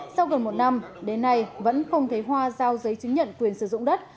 sau gần một năm đến nay vẫn không thấy hoa giao giấy chứng nhận quyền sử dụng đất